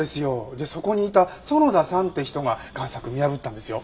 でそこにいた園田さんって人が贋作見破ったんですよ。